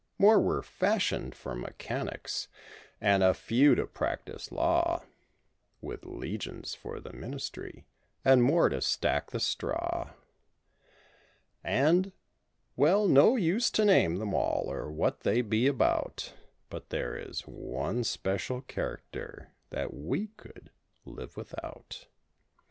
More were fashioned for mechanics and a few to practice law. With legions for the ministry and more to stack the straw. And—^well no use to name them all or what they be about But there is one special character that we could live without.